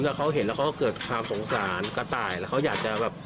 แล้วเขาเห็นแล้วเขาก็เกิดความสงสารกระต่ายแล้วเขาอยากจะแบบ